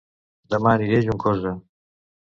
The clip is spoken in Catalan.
Dema aniré a Juncosa